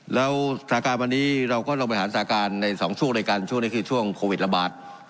แล้วสถานการณ์วันนี้เราก็ลองบริหารสถานการณ์ใน๒ช่วงด้วยกันช่วงนี้คือช่วงโควิดระบาด